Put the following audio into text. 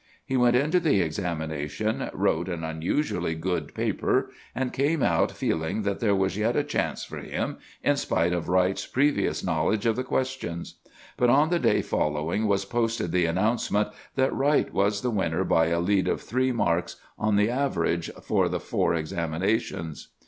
He went in to the examination, wrote an unusually good paper, and came out feeling that there was yet a chance for him in spite of Wright's previous knowledge of the questions. But on the day following was posted the announcement that Wright was the winner by a lead of three marks on the average for the four examinations.